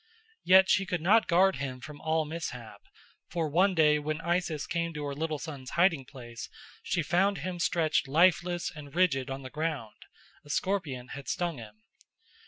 Yet she could not guard him from all mishap; for one day when Isis came to her little son's hiding place she found him stretched lifeless and rigid on the ground: a scorpion had stung him.